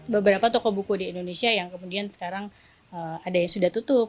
beberapa toko buku di indonesia yang kemudian sekarang ada yang sudah tutup